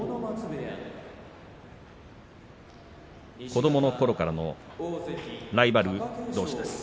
子どものころからのライバルどうしです。